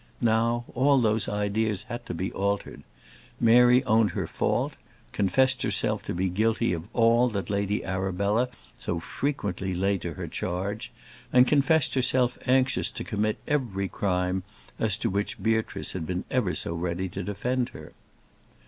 Now all those ideas had to be altered. Mary owned her fault, confessed herself to be guilty of all that Lady Arabella so frequently laid to her charge, and confessed herself anxious to commit every crime as to which Beatrice had been ever so ready to defend her.